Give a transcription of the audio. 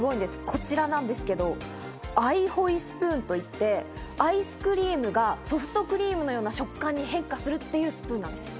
こちらなんですけど、アイホイスプーンと言って、アイスクリームがソフトクリームのような食感に変化するっていうスプーンなんです。